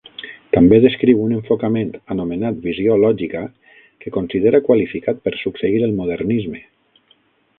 També descriu un enfocament, anomenat "visió-logica", que considera qualificat per succeir el modernisme.